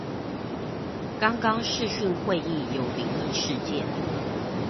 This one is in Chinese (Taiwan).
剛剛視訊會議有靈異事件